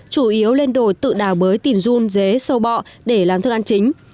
chủ yếu lên đồ tự đào bới tìm run dế sâu bọ để làm thức ăn chính